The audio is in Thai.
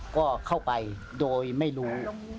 ก็เข้าไปโดยไม่รู้